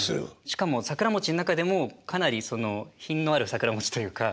しかも桜餅の中でもかなりその品のある桜餅というか。